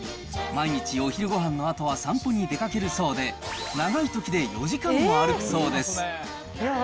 毎日、お昼ごはんのあとは散歩に出かけるそうで、長いときで４時間も歩くそうです。